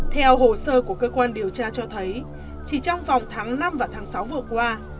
theo hồ sơ của cơ quan điều tra cho thấy chỉ trong vòng tháng năm và tháng sáu vừa qua